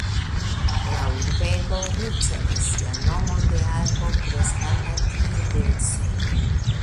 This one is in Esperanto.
La urbego ricevis sian nomon de arbo kreskanta tie dense.